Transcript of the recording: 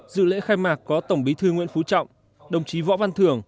dự lễ khai mạc có tổng bí thư nguyễn phú trọng đồng chí võ văn thưởng